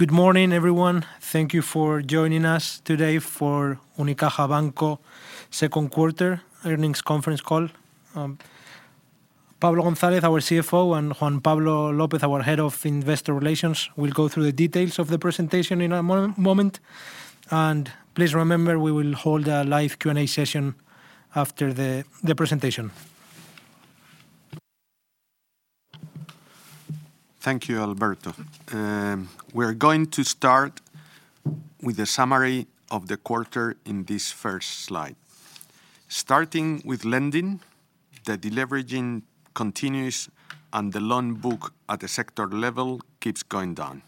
Good morning, everyone. Thank you for joining us today for Unicaja Banco Second Quarter Earnings Conference Call. Pablo González, our CFO, and Juan Pablo López, our Head of Investor Relations, will go through the details of the presentation in a moment. Please remember, we will hold a live Q&A session after the presentation. Thank you, Alberto. We're going to start with a summary of the quarter in this first slide. Starting with lending, the deleveraging continues, and the loan book at the sector level keeps going down.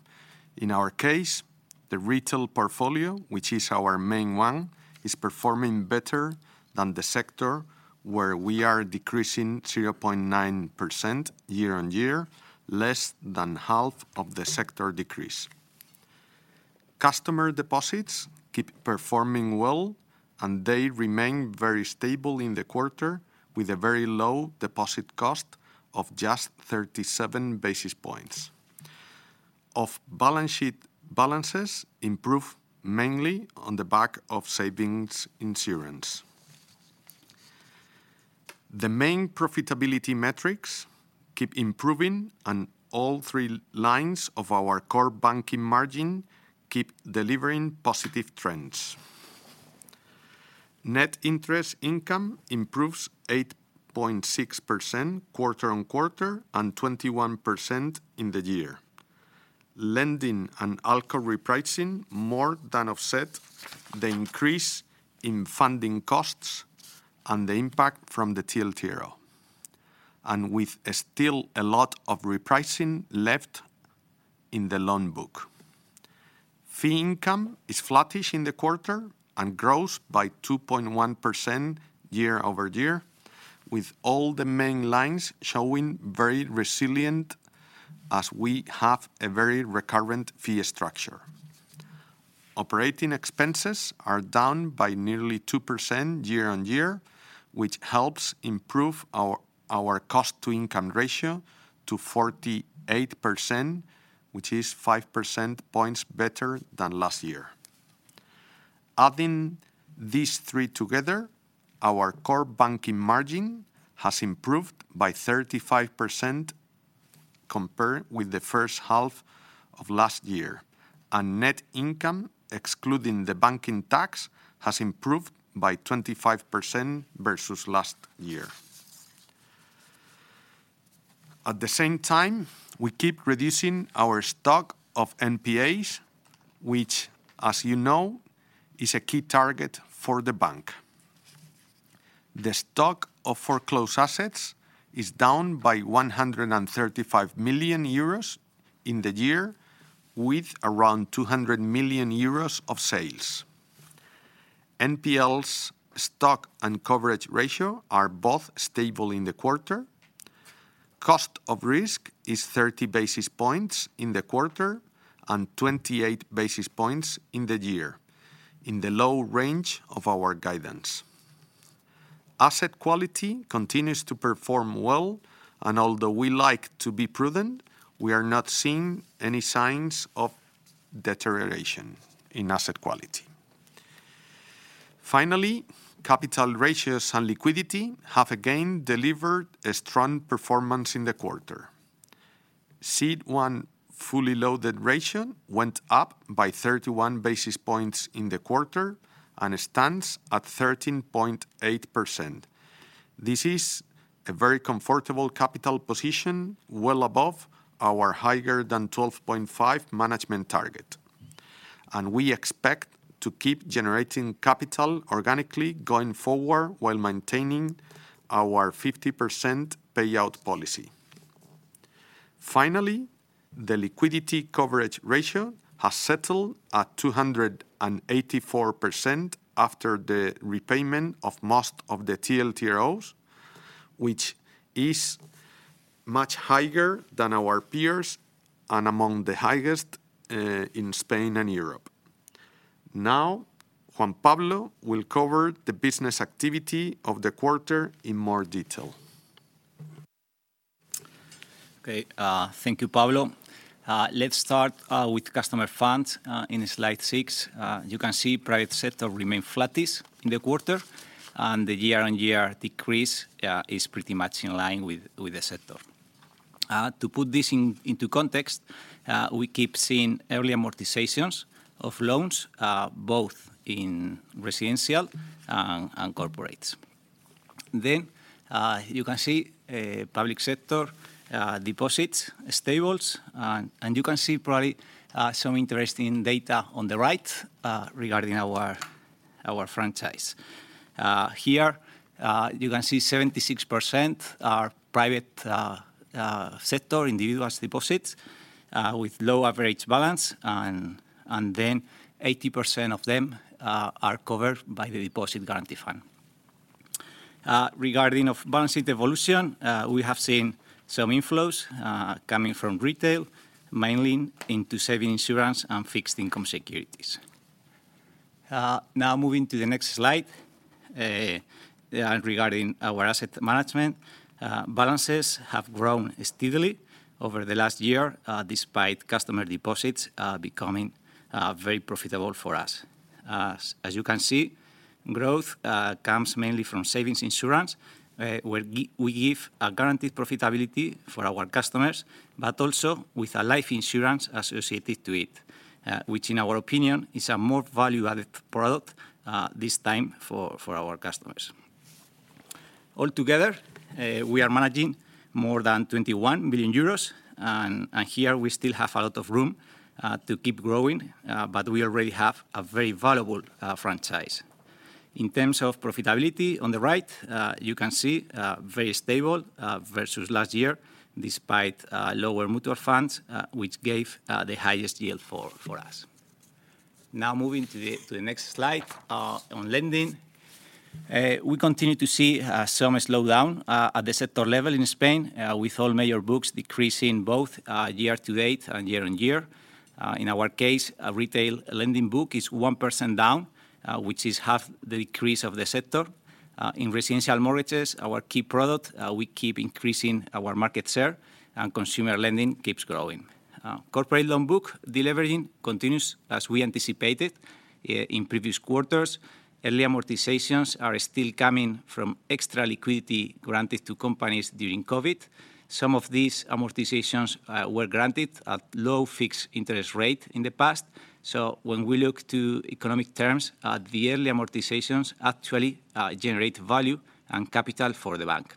In our case, the retail portfolio, which is our main one, is performing better than the sector, where we are decreasing 0.9% year-on-year, less than half of the sector decrease. Customer deposits keep performing well, and they remain very stable in the quarter, with a very low deposit cost of just 37 basis points. Off balance sheet balances improve mainly on the back of savings insurance. The main profitability metrics keep improving, and all three lines of our core banking margin keep delivering positive trends. Net interest income improves 8.6% quarter-on-quarter, and 21% in the year. Lending and ALCO repricing more than offset the increase in funding costs and the impact from the TLTRO, still a lot of repricing left in the loan book. Fee income is flattish in the quarter and grows by 2.1% year-over-year, with all the main lines showing very resilient as we have a very recurrent fee structure. Operating expenses are down by nearly 2% year-on-year, which helps improve our cost to income ratio to 48%, which is 5 percent points better than last year. Adding these three together, our core banking margin has improved by 35% compared with the first half of last year. Net income, excluding the banking tax, has improved by 25% versus last year. At the same time, we keep reducing our stock of NPAs, which, as you know, is a key target for the bank. The stock of foreclosed assets is down by 135 million euros in the year, with around 200 million euros of sales. NPLs, stock and coverage ratio are both stable in the quarter. Cost of risk is 30 basis points in the quarter, and 28 basis points in the year, in the low range of our guidance. Asset quality continues to perform well, and although we like to be prudent, we are not seeing any signs of deterioration in asset quality. Finally, capital ratios and liquidity have again delivered a strong performance in the quarter. CET1 fully loaded ratio went up by 31 basis points in the quarter and stands at 13.8%. This is a very comfortable capital position, well above our higher than 12.5 management target. We expect to keep generating capital organically going forward, while maintaining our 50% payout policy. Finally, the liquidity coverage ratio has settled at 284% after the repayment of most of the TLTROs, which is much higher than our peers and among the highest in Spain and Europe. Now, Juan Pablo will cover the business activity of the quarter in more detail. Okay. Thank you, Pablo. Let's start with customer funds in slide six. You can see private sector remain flattish in the quarter. The year-on-year decrease is pretty much in line with the sector. To put this into context, we keep seeing early amortizations of loans, both in residential and corporates. You can see public sector deposits stables, you can see probably some interesting data on the right regarding our franchise. Here, you can see 76% are private sector individuals deposits with low average balance. Then 80% of them are covered by the Deposit Guarantee Fund. Regarding of balance sheet evolution, we have seen some inflows coming from retail, mainly into saving insurance and fixed income securities. Now moving to the next slide, regarding our asset management. Balances have grown steadily over the last year, despite customer deposits becoming very profitable for us. As you can see, growth comes mainly from savings insurance, where we give a guaranteed profitability for our customers, but also with a life insurance associated to it, which in our opinion, is a more value-added product, this time for our customers. Altogether, we are managing more than 21 million euros, and here we still have a lot of room to keep growing, but we already have a very valuable franchise. In terms of profitability, on the right, you can see very stable versus last year, despite lower mutual funds, which gave the highest yield for us. Moving to the next slide, on lending. We continue to see some slowdown at the sector level in Spain, with all major books decreasing both year-to-date and year-on-year. In our case, a retail loan book is 1% down, which is half the decrease of the sector. In residential mortgages, our key product, we keep increasing our market share, and consumer lending keeps growing. Corporate loan book deleveraging continues as we anticipated in previous quarters. Early amortizations are still coming from extra liquidity granted to companies during COVID. Some of these amortizations, were granted at low fixed interest rate in the past, so when we look to economic terms, the early amortizations actually, generate value and capital for the bank.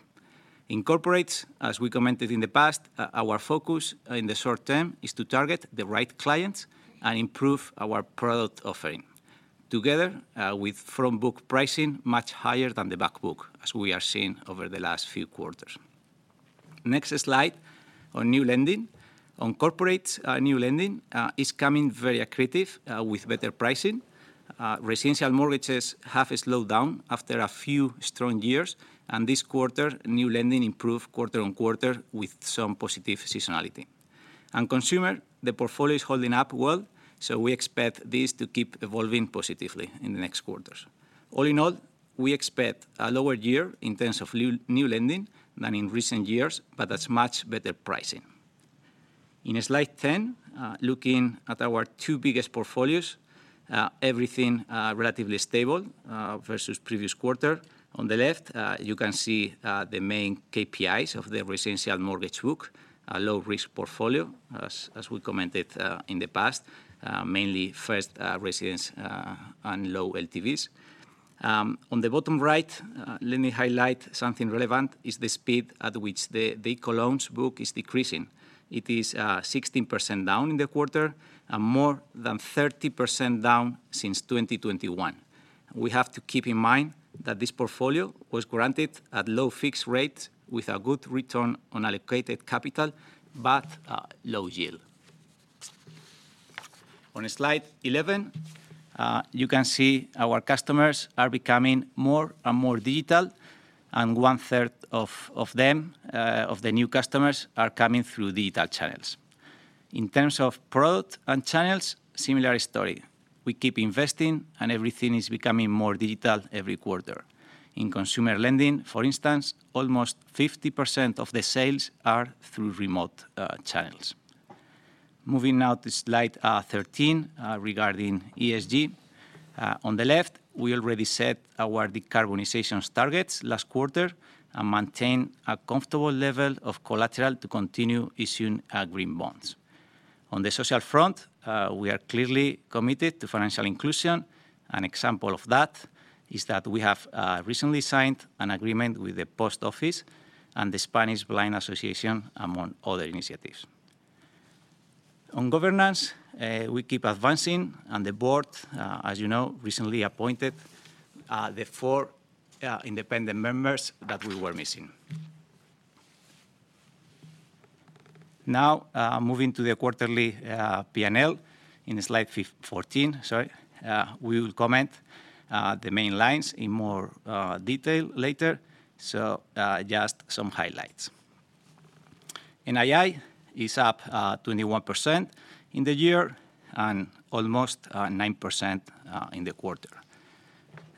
In corporates, as we commented in the past, our focus in the short term is to target the right clients and improve our product offering, together, with front book pricing much higher than the back book, as we are seeing over the last few quarters. Next slide on new lending. On corporates, new lending, is coming very accretive, with better pricing. Residential mortgages have slowed down after a few strong years, and this quarter, new lending improved quarter-on-quarter with some positive seasonality. On consumer, the portfolio is holding up well, so we expect this to keep evolving positively in the next quarters. All in all, we expect a lower year in terms of new lending than in recent years, but at much better pricing. In slide 10, looking at our two biggest portfolios, everything relatively stable versus previous quarter. On the left, you can see the main KPIs of the residential mortgage book, a low-risk portfolio, as we commented in the past, mainly first residents and low LTVs. On the bottom right, let me highlight something relevant, is the speed at which the ICO loans book is decreasing. It is 16% down in the quarter and more than 30% down since 2021. We have to keep in mind that this portfolio was granted at low fixed rates with a good return on allocated capital, but a low yield. On slide 11, you can see our customers are becoming more and more digital. One third of them, of the new customers, are coming through digital channels. In terms of product and channels, similar story. We keep investing. Everything is becoming more digital every quarter. In consumer lending, for instance, almost 50% of the sales are through remote channels. Moving now to slide 13 regarding ESG. On the left, we already set our decarbonization targets last quarter and maintained a comfortable level of collateral to continue issuing our green bonds. On the social front, we are clearly committed to financial inclusion. An example of that is that we have recently signed an agreement with the post office and the Spanish Blind Association, among other initiatives. On governance, we keep advancing. The board, as you know, recently appointed the four independent members that we were missing. Now, moving to the quarterly P&L in slide 14, sorry. We will comment the main lines in more detail later. Just some highlights. NII is up 21% in the year and almost 9% in the quarter.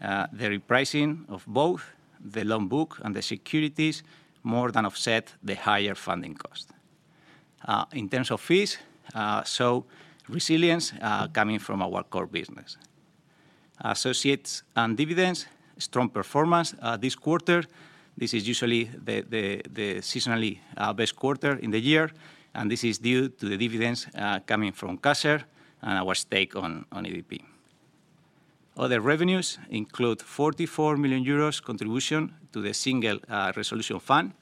The repricing of both the loan book and the securities more than offset the higher funding cost. In terms of fees, resilience coming from our core business. Associates and dividends, strong performance this quarter. This is usually the seasonally best quarter in the year, and this is due to the dividends coming from Caser and our stake on EDP. Other revenues include 44 million euros contribution to the Single Resolution Fund.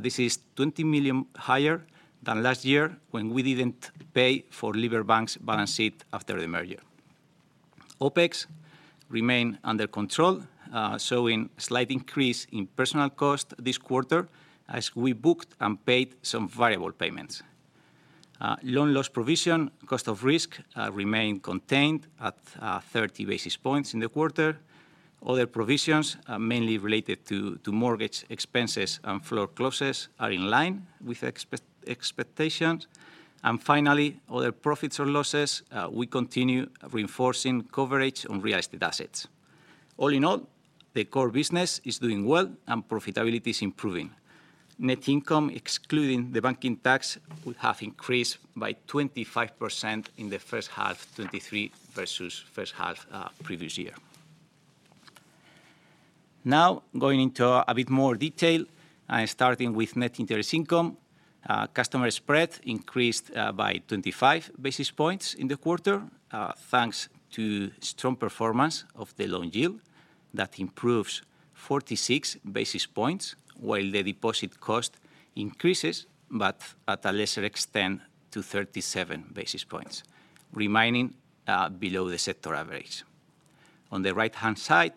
This is 20 million higher than last year, when we didn't pay for Liberbank's balance sheet after the merger. OPEX remain under control, showing slight increase in personal cost this quarter as we booked and paid some variable payments. Loan loss provision, cost of risk, remain contained at 30 basis points in the quarter. Other provisions are mainly related to mortgage expenses and floor clauses are in line with expectations. Finally, other profits or losses, we continue reinforcing coverage on real estate assets. All in all, the core business is doing well, and profitability is improving. Net income, excluding the banking tax, would have increased by 25% in the first half 2023 versus first half previous year. Going into a bit more detail, starting with Net Interest Income, customer spread increased by 25 basis points in the quarter, thanks to strong performance of the loan yield. That improves 46 basis points, while the deposit cost increases, but at a lesser extent, to 37 basis points, remaining below the sector average. On the right-hand side,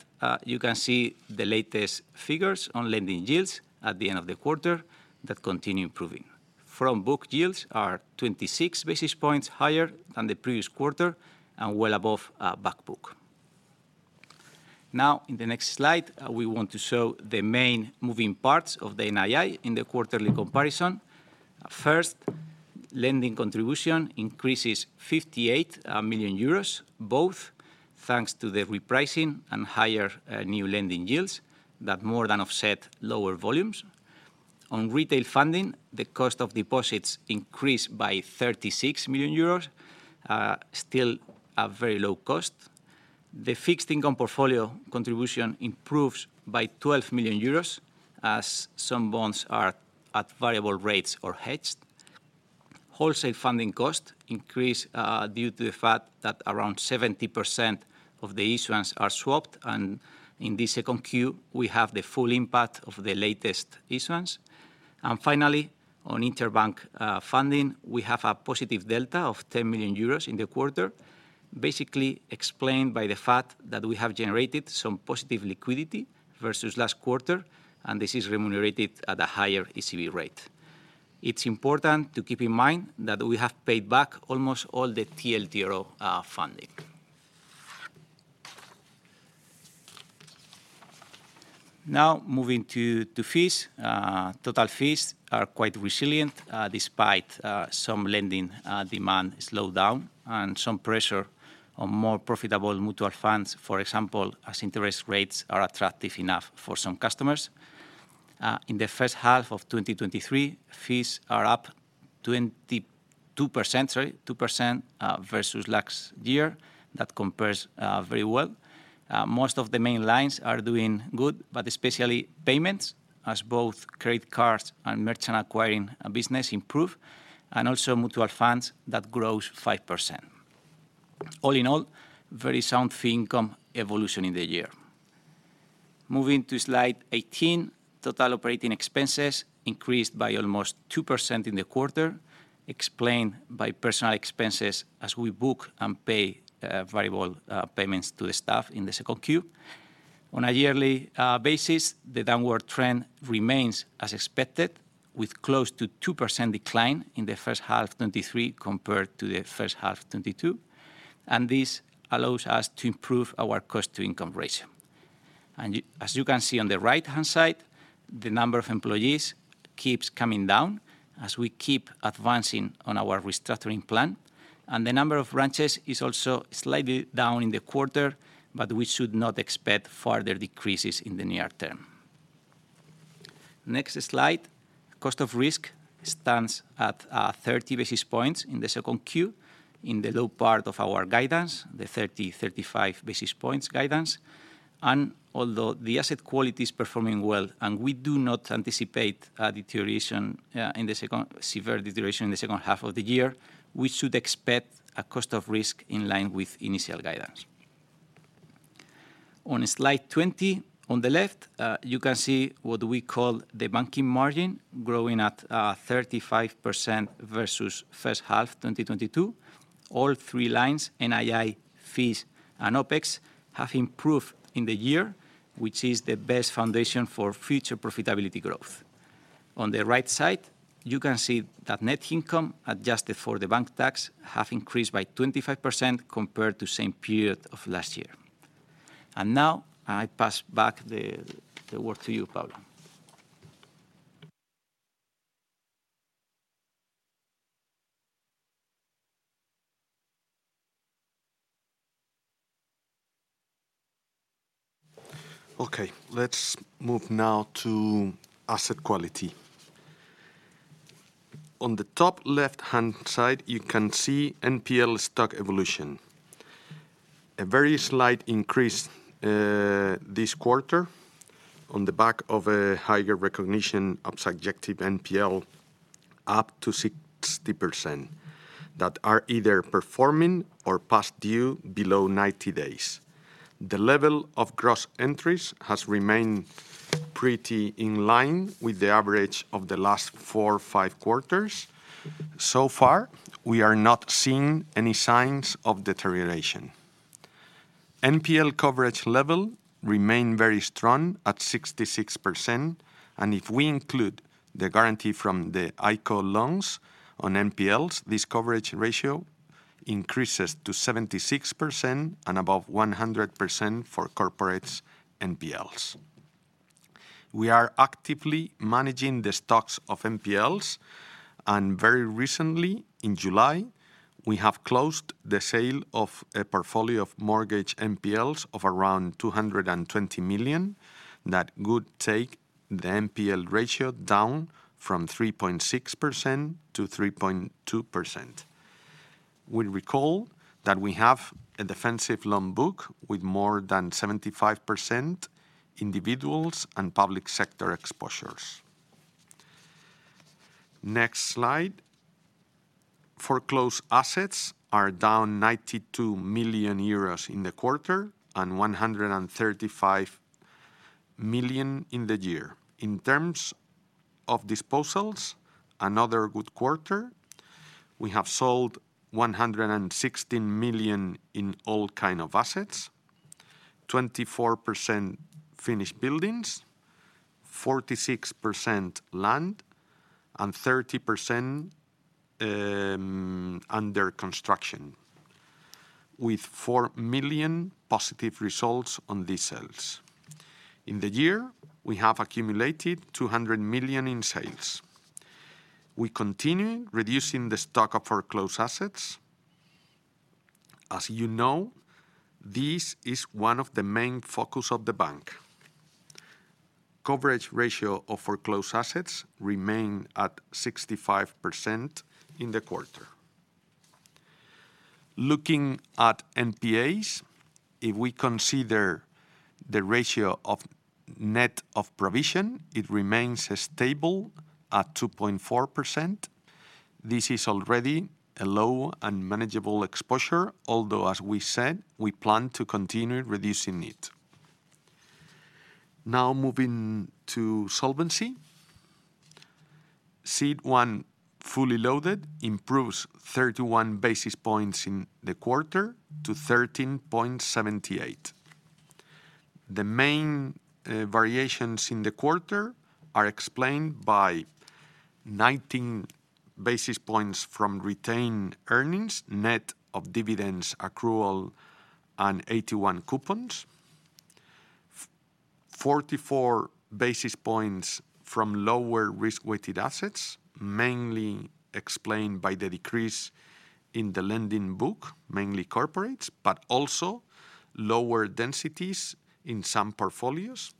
you can see the latest figures on lending yields at the end of the quarter that continue improving. Front book yields are 26 basis points higher than the previous quarter and well above back book. In the next slide, we want to show the main moving parts of the NII in the quarterly comparison. First, lending contribution increases 58 million euros, both thanks to the repricing and higher new lending yields that more than offset lower volumes. On retail funding, the cost of deposits increased by 36 million euros, still a very low cost. The fixed income portfolio contribution improves by 12 million euros, as some bonds are at variable rates or hedged. Wholesale funding cost increase due to the fact that around 70% of the issuance are swapped, and in the 2Q, we have the full impact of the latest issuance. Finally, on interbank funding, we have a positive delta of 10 million euros in the quarter, basically explained by the fact that we have generated some positive liquidity versus last quarter, and this is remunerated at a higher ECB rate. It's important to keep in mind that we have paid back almost all the TLTRO funding. Moving to fees. Total fees are quite resilient, despite some lending demand slowdown and some pressure on more profitable mutual funds, for example, as interest rates are attractive enough for some customers. In the first half of 2023, fees are up 22%, sorry, 2%, versus last year. That compares very well. Most of the main lines are doing good, but especially payments, as both credit cards and merchant acquiring business improve, and also mutual funds, that grows 5%. All in all, very sound fee income evolution in the year. Moving to slide 18, total operating expenses increased by almost 2% in the quarter, explained by personal expenses as we book and pay variable payments to the staff in the 2Q. On a yearly basis, the downward trend remains as expected, with close to 2% decline in the first half 2023 compared to the first half 2022. This allows us to improve our cost-to-income ratio. As you can see on the right-hand side, the number of employees keeps coming down as we keep advancing on our restructuring plan. The number of branches is also slightly down in the quarter, but we should not expect further decreases in the near term. Next slide. Cost of risk stands at 30 basis points in the 2Q, in the low part of our guidance, the 30-35 basis points guidance. Although the asset quality is performing well, and we do not anticipate a deterioration in the second... severe deterioration in the second half of the year, we should expect a cost of risk in line with initial guidance. On slide 20, on the left, you can see what we call the banking margin, growing at 35% versus first half 2022. All three lines, NII, fees, and OPEX, have improved in the year, which is the best foundation for future profitability growth. On the right side, you can see that net income, adjusted for the banking tax, have increased by 25% compared to same period of last year. Now, I pass back the work to you, Pablo. Okay, let's move now to asset quality. On the top left-hand side, you can see NPL stock evolution. A very slight increase this quarter on the back of a higher recognition of subjective NPL, up to 60%, that are either performing or past due, below 90 days. The level of gross entries has remained pretty in line with the average of the last four, five quarters. We are not seeing any signs of deterioration. NPL coverage level remain very strong, at 66%, and if we include the guarantee from the ICO loans on NPLs, this coverage ratio increases to 76%, and above 100% for corporates NPLs.... We are actively managing the stocks of NPLs, and very recently, in July, we have closed the sale of a portfolio of mortgage NPLs of around 220 million, that would take the NPL ratio down from 3.6%-3.2%. We recall that we have a defensive loan book with more than 75% individuals and public sector exposures. Next slide. Foreclosed assets are down 92 million euros in the quarter, and 135 million in the year. In terms of disposals, another good quarter. We have sold 116 million in all kind of assets: 24% finished buildings, 46% land, and 30% under construction, with 4 million positive results on these sales. In the year, we have accumulated 200 million in sales. We continue reducing the stock of foreclosed assets. As you know, this is one of the main focus of the bank. Coverage ratio of foreclosed assets remain at 65% in the quarter. Looking at NPAs, if we consider the ratio of net of provision, it remains stable at 2.4%. This is already a low and manageable exposure, although as we said, we plan to continue reducing it. Moving to solvency. CET1 fully loaded improves 31 basis points in the quarter to 13.78%. The main variations in the quarter are explained by 19 basis points from retained earnings, net of dividends, accrual, and 81 coupons. 44 basis points from lower risk-weighted assets, mainly explained by the decrease in the lending book, mainly corporates, but also lower densities in some portfolios.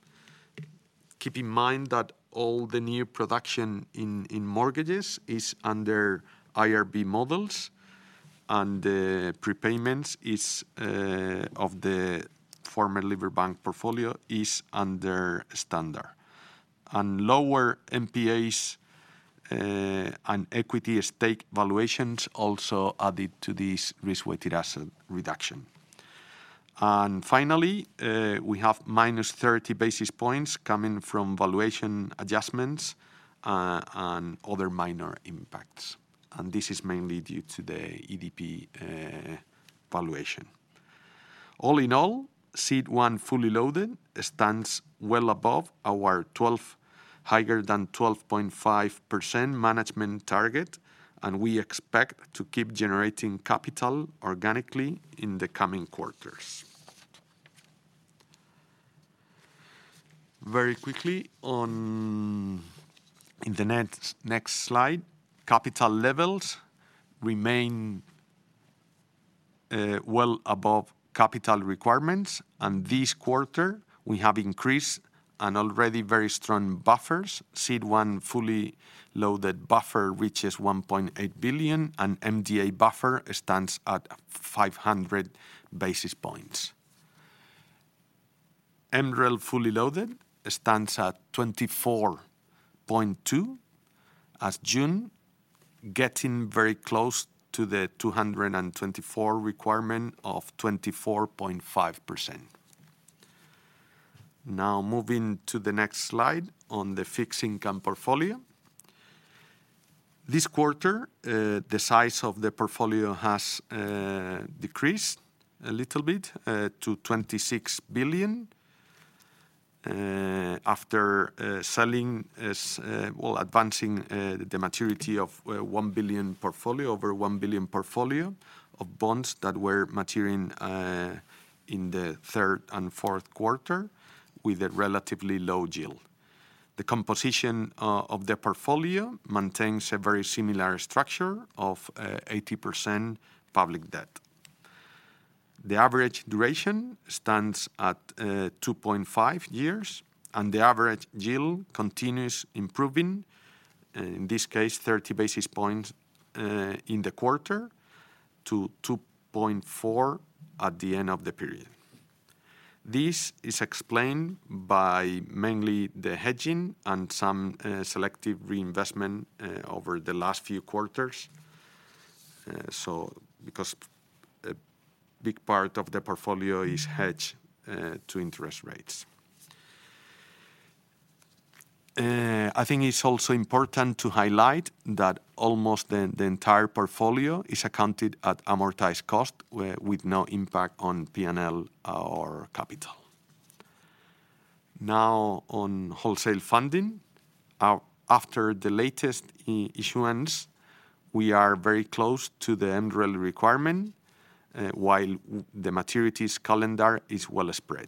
Keep in mind that all the new production in mortgages is under IRB models, the prepayments is of the former Liberbank portfolio is under standard. Lower NPAs and equity stake valuations also added to this risk-weighted asset reduction. Finally, we have -30 basis points coming from valuation adjustments and other minor impacts, this is mainly due to the EDP valuation. All in all, CET1 fully loaded stands well above our 12, higher than 12.5% management target, we expect to keep generating capital organically in the coming quarters. Very quickly, in the next slide, capital levels remain well above capital requirements, this quarter we have increased an already very strong buffers. CET1 fully loaded buffer reaches 1.8 billion, MDA buffer stands at 500 basis points. MREL fully loaded stands at 24.2 at June, getting very close to the 224 requirement of 24.5%. Moving to the next slide on the fixed income portfolio. This quarter, the size of the portfolio has decreased a little bit to 26 billion, after selling as well, advancing the maturity of 1 billion portfolio, over 1 billion portfolio of bonds that were maturing in the 3rd and 4th quarter, with a relatively low yield. The composition of the portfolio maintains a very similar structure of 80% public debt. The average duration stands at 2.5 years, and the average yield continues improving, in this case, 30 basis points in the quarter, to 2.4% at the end of the period. This is explained by mainly the hedging and some selective reinvestment over the last few quarters. Because a big part of the portfolio is hedged to interest rates. I think it's also important to highlight that almost the entire portfolio is accounted at amortized cost, with no impact on PNL or capital. Now, on wholesale funding. After the latest issuance, we are very close to the MREL requirement, while the maturities calendar is well spread.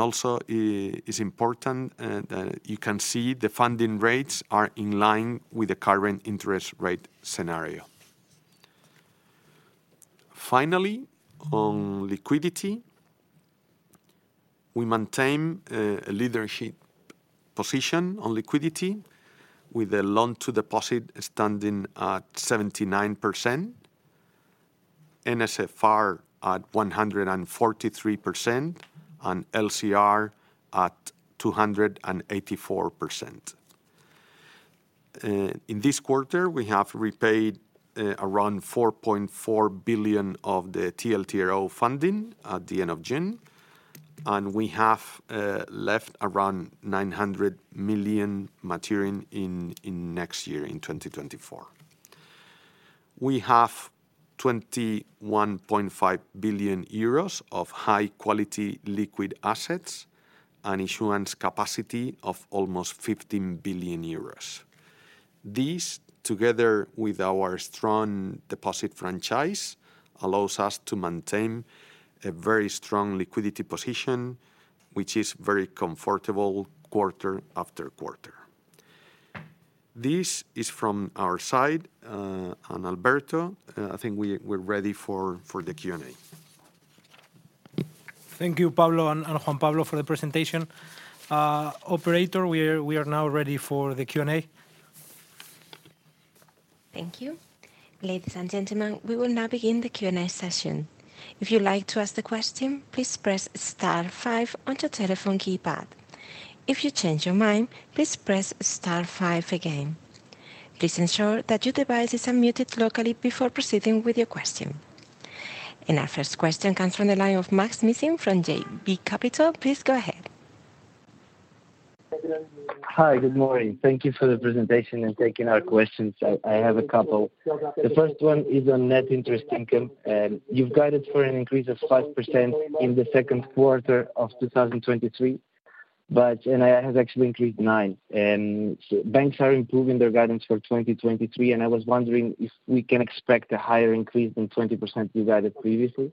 Also, it's important that you can see the funding rates are in line with the current interest rate scenario. Finally, on liquidity, we maintain a leadership position on liquidity, with the loan to deposit standing at 79%, NSFR at 143%, and LCR at 284%. In this quarter, we have repaid around 4.4 billion of the TLTRO funding at the end of June, and we have left around 900 million maturing next year, in 2024. We have 21.5 billion euros of high-quality liquid assets, and insurance capacity of almost 15 billion euros. These, together with our strong deposit franchise, allows us to maintain a very strong liquidity position, which is very comfortable quarter after quarter. This is from our side. Alberto, I think we're ready for the Q&A. Thank you, Pablo and Juan Pablo, for the presentation. Operator, we are now ready for the Q&A. Thank you. Ladies and gentlemen, we will now begin the Q&A session. If you'd like to ask a question, please press star five on your telephone keypad. If you change your mind, please press star five again. Please ensure that your device is unmuted locally before proceeding with your question. Our first question comes from the line of Maksym Mishyn from JB Capital. Please go ahead. Hi, good morning. Thank you for the presentation and taking our questions. I have a couple. The first one is on Net Interest Income. You've guided for an increase of 5% in the second quarter of 2023. It has actually increased 9%. Banks are improving their guidance for 2023. I was wondering if we can expect a higher increase than 20% you guided previously?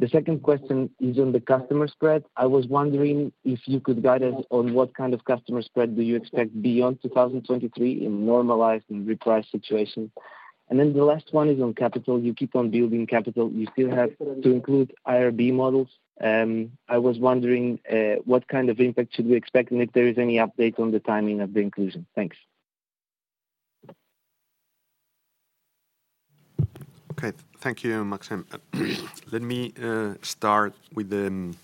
The second question is on the customer spread. I was wondering if you could guide us on what kind of customer spread do you expect beyond 2023 in normalized and repriced situation. The last one is on capital. You keep on building capital. You still have to include IRB models. I was wondering, what kind of impact should we expect, and if there is any update on the timing of the inclusion? Thanks. Okay. Thank you, Maksym. Let me start with the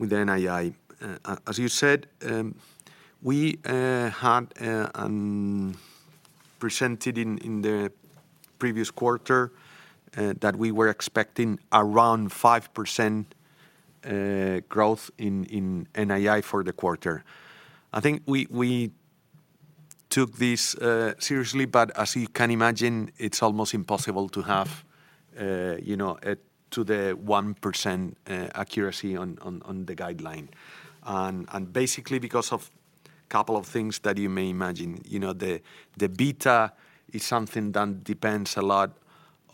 NII. As you said, we had presented in the previous quarter that we were expecting around 5% growth in NII for the quarter. I think we took this seriously, but as you can imagine, it's almost impossible to have, you know, to the 1% accuracy on the guideline. Basically because of couple of things that you may imagine. You know, the Beta is something that depends a lot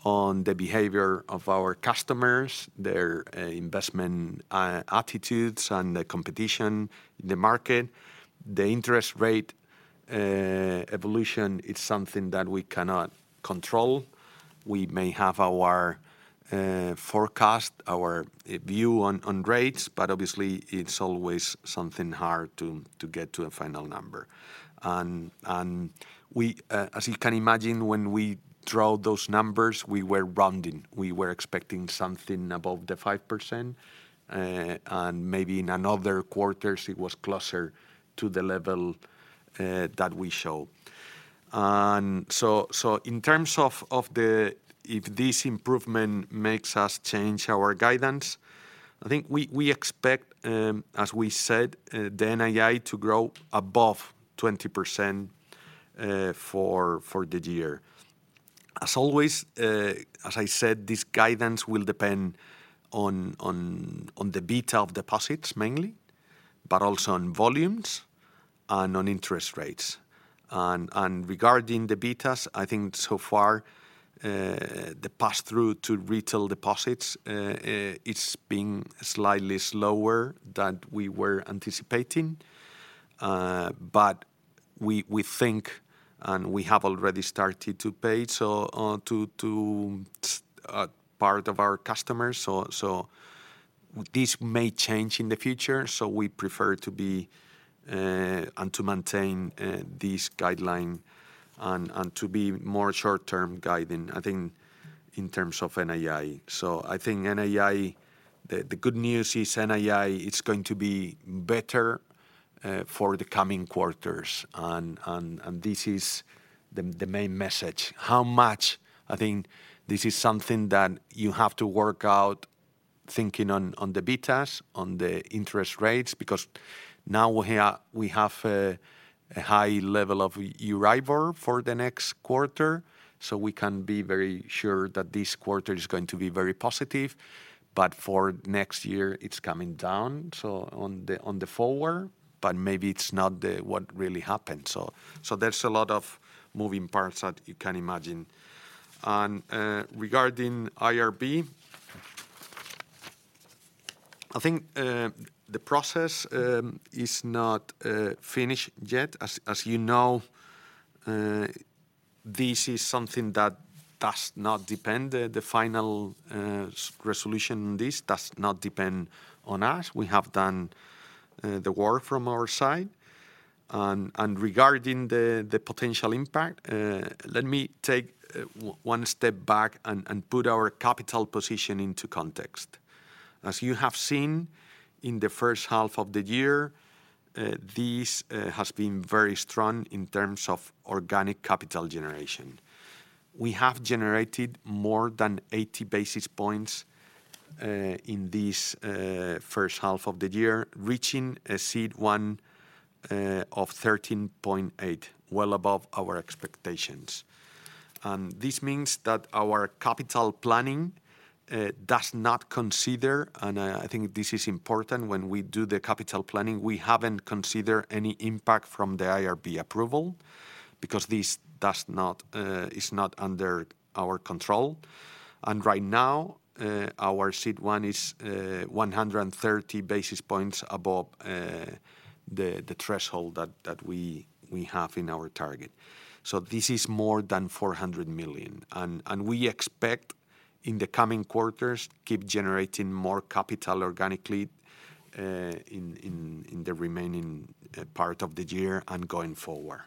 on the behavior of our customers, their investment attitudes, and the competition in the market. The interest rate evolution is something that we cannot control. We may have our forecast, our view on rates, but obviously it's always something hard to get to a final number. We, as you can imagine, when we draw those numbers, we were rounding. We were expecting something above the 5%, and maybe in another quarters it was closer to the level that we show. In terms of the. If this improvement makes us change our guidance, I think we expect, as we said, the NII to grow above 20% for the year. As always, as I said, this guidance will depend on the Beta of deposits mainly, but also on volumes and on interest rates. Regarding the Betas, I think so far, the pass-through to retail deposits, it's been slightly slower than we were anticipating. But we think, and we have already started to pay, so, to part of our customers, so this may change in the future, so we prefer to be, and to maintain, this guideline and to be more short-term guiding, I think, in terms of NII. I think NII, the good news is NII, it's going to be better for the coming quarters, and this is the main message. How much? I think this is something that you have to work out, thinking on the Betas, on the interest rates, because now we have a high level of arrival for the next quarter, so we can be very sure that this quarter is going to be very positive. For next year, it's coming down, so on the forward, but maybe it's not what really happened. There's a lot of moving parts that you can imagine. Regarding IRB, I think the process is not finished yet. As you know, this is something that does not depend, the final resolution on this does not depend on us. We have done the work from our side. Regarding the potential impact, let me take one step back and put our capital position into context. As you have seen, in the first half of the year, this has been very strong in terms of organic capital generation. We have generated more than 80 basis points in this first half of the year, reaching a CET1 of 13.8, well above our expectations. This means that our capital planning does not consider, and I think this is important, when we do the capital planning, we haven't considered any impact from the IRB approval, because this does not is not under our control. Right now, our CET1 is 130 basis points above the threshold that we have in our target. This is more than 400 million. We expect in the coming quarters, keep generating more capital organically in the remaining part of the year and going forward.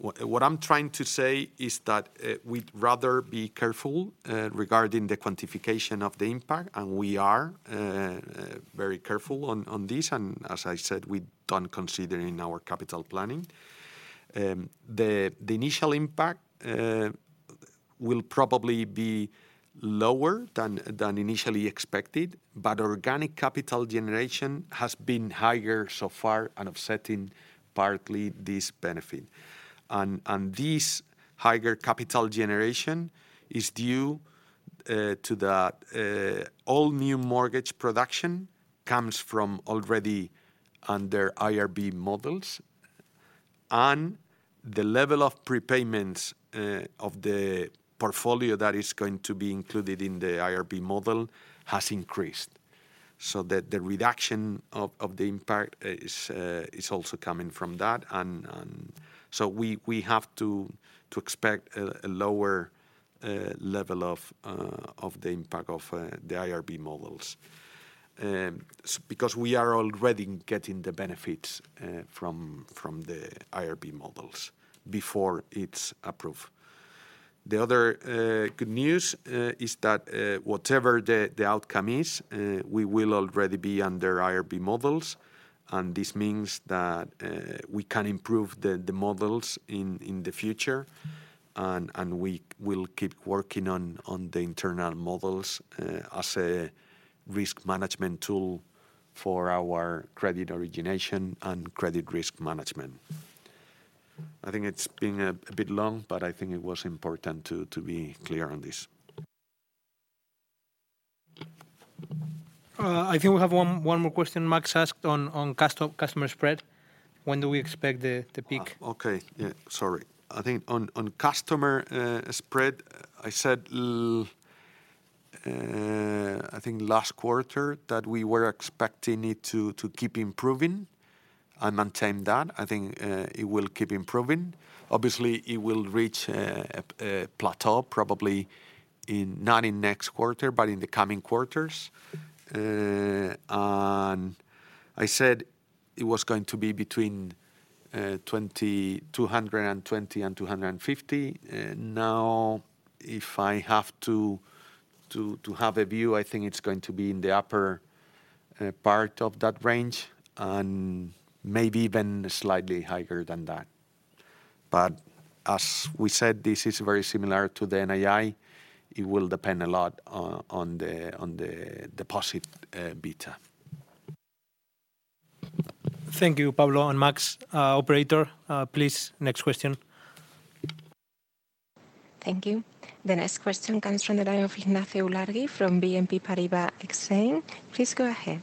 What I'm trying to say is that we'd rather be careful regarding the quantification of the impact, and we are very careful on this. As I said, we don't consider in our capital planning. The initial impact will probably be lower than initially expected, but organic capital generation has been higher so far, and offsetting partly this benefit. This higher capital generation is due to that all new mortgage production comes from already under IRB models, and the level of prepayments of the portfolio that is going to be included in the IRB model has increased. The reduction of the impact is also coming from that. We have to expect a lower level of the impact of the IRB models. Because we are already getting the benefits from the IRB models before it's approved. The other good news is that whatever the outcome is, we will already be under IRB models, and this means that we can improve the models in the future. We will keep working on the internal models as a risk management tool for our credit origination and credit risk management. I think it's been a bit long, but I think it was important to be clear on this. I think we have one more question Max asked on customer spread. When do we expect the peak? Okay. Yeah, sorry. I think on customer spread, I said, I think last quarter, that we were expecting it to keep improving. I maintain that. I think it will keep improving. Obviously, it will reach a plateau, probably not in next quarter, but in the coming quarters. I said it was going to be between 220 and 250. Now, if I have to have a view, I think it's going to be in the upper part of that range, and maybe even slightly higher than that. As we said, this is very similar to the NII. It will depend a lot on the deposit Beta. Thank you, Pablo and Max. Operator, please, next question. Thank you. The next question comes from the line of Ignacio Ulargui from BNP Paribas Exane. Please go ahead.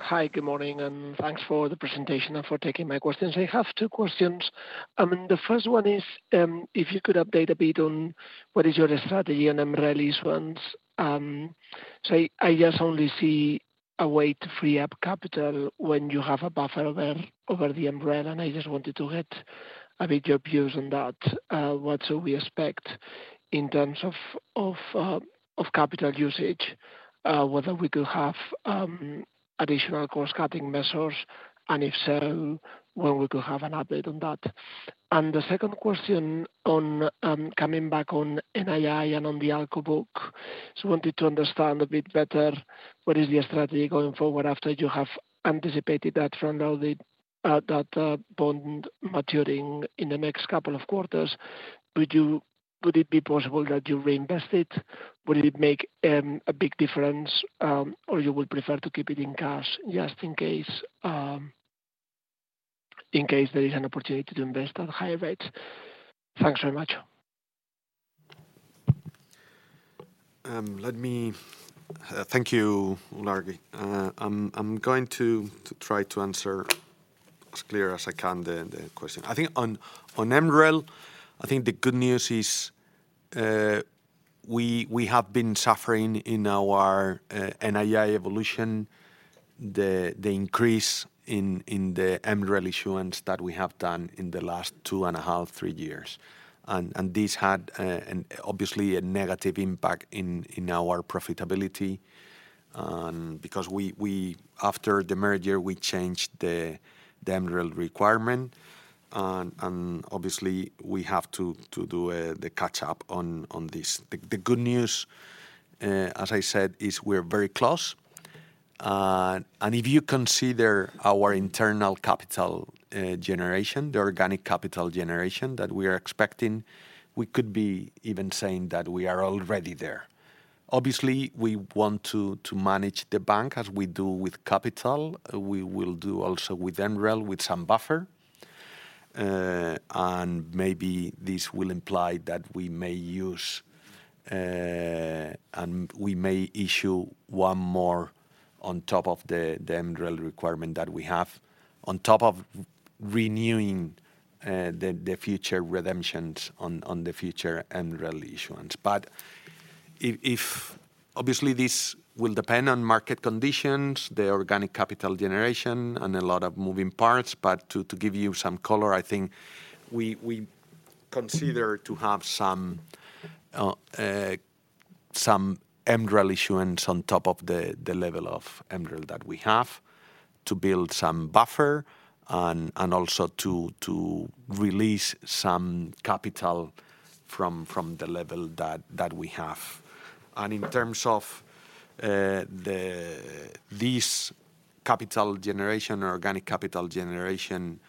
Hi, good morning, thanks for the presentation and for taking my questions. I have two questions. The first one is, if you could update a bit on what is your strategy on MRELs ones. I just only see a way to free up capital when you have a buffer over the MREL, and I just wanted to get a bit your views on that. What do we expect in terms of capital usage? Whether we could have additional cost-cutting measures, and if so, when we could have an update on that. The second question on, coming back on NII and on the ALCO book. I wanted to understand a bit better what is your strategy going forward after you have anticipated that front-loaded, that bond maturing in the next couple of quarters. Would it be possible that you reinvest it? Would it make a big difference or you would prefer to keep it in cash, just in case, in case there is an opportunity to invest at higher rates? Thanks very much. Thank you, Ulargui. I'm going to try to answer as clear as I can, the question. I think on MREL, the good news is, we have been suffering in our NII evolution, the increase in the MREL issuance that we have done in the last 2.5-3 years. This had obviously a negative impact in our profitability, because we after the merger, we changed the MREL requirement. Obviously we have to do the catch up on this. The good news, as I said, is we're very close. If you consider our internal capital generation, the organic capital generation that we are expecting, we could be even saying that we are already there. Obviously, we want to manage the bank as we do with capital. We will do also with MREL, with some buffer. Maybe this will imply that we may use and we may issue one more on top of the MREL requirement that we have, on top of renewing the future redemptions on the future MREL issuance. If obviously, this will depend on market conditions, the organic capital generation, and a lot of moving parts. To give you some color, I think we consider to have some MREL issuance on top of the level of MREL that we have, to build some buffer, and also to release some capital from the level that we have. In terms of this capital generation or organic capital generation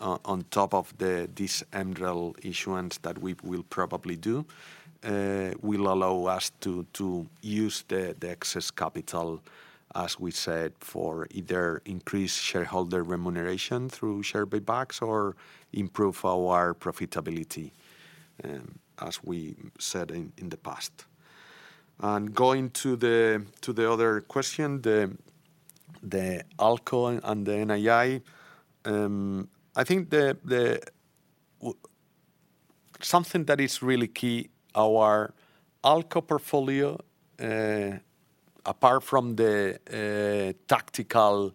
on top of this MREL issuance that we will probably do, will allow us to use the excess capital, as we said, for either increase shareholder remuneration through share buybacks or improve our profitability, as we said in the past. Going to the other question, the ALCO and the NII, I think, something that is really key, our ALCO portfolio, apart from the tactical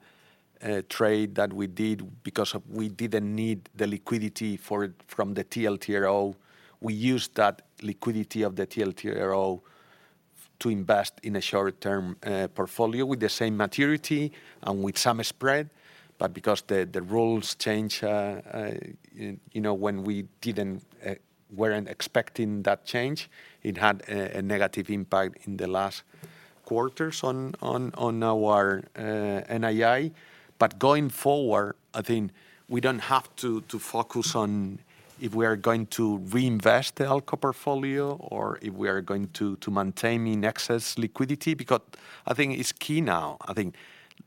trade that we did, because we didn't need the liquidity for it from the TLTRO, we used that liquidity of the TLTRO to invest in a short-term portfolio with the same maturity and with some spread. Because the rules change, you know, when we didn't weren't expecting that change, it had a negative impact in the last quarters on our NII. Going forward, I think we don't have to focus on if we are going to reinvest the ALCO portfolio or if we are going to maintain in excess liquidity, because I think it's key now. I think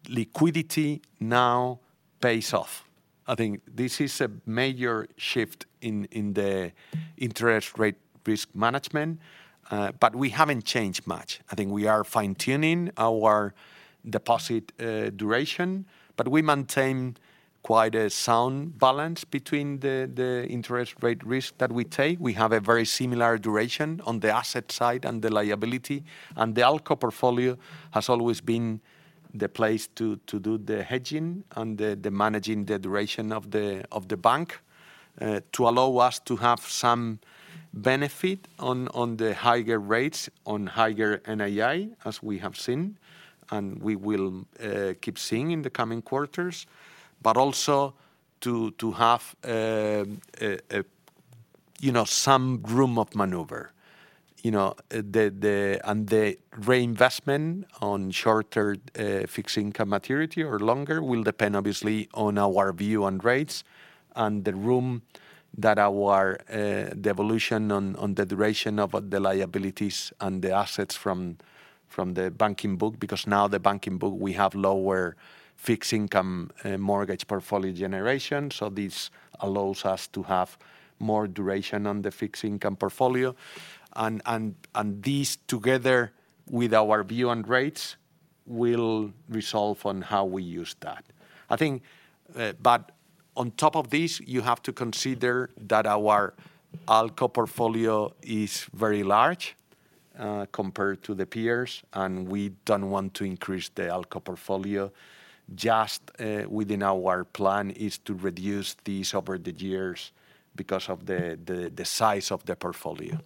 liquidity now pays off. I think this is a major shift in the interest rate risk management, but we haven't changed much. I think we are fine-tuning our deposit duration, but we maintain quite a sound balance between the interest rate risk that we take. We have a very similar duration on the asset side and the liability. The ALCO portfolio has always been the place to do the hedging and the managing the duration of the bank to allow us to have some benefit on the higher rates, on higher NII, as we have seen, and we will keep seeing in the coming quarters. Also to have a, you know, some room of maneuver. You know, the... The reinvestment on shorter fixed income maturity or longer will depend obviously on our view on rates and the room that our the evolution on the duration of the liabilities and the assets from the banking book, because now the banking book, we have lower fixed income mortgage portfolio generation, so this allows us to have more duration on the fixed income portfolio. This, together with our view on rates, will resolve on how we use that. I think, but on top of this, you have to consider that our ALCO portfolio is very large compared to the peers, and we don't want to increase the ALCO portfolio. Just within our plan is to reduce this over the years because of the size of the portfolio.